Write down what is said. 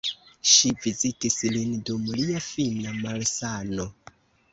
Ŝi vizitis lin dum lia fina malsano.